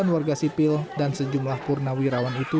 delapan warga sipil dan sejumlah purnawirawan itu